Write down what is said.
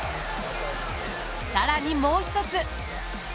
さらに、もう１つ。